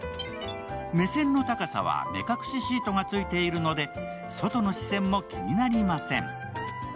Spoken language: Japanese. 目線の高さは目隠しシートがついているので外の視線も気になりません。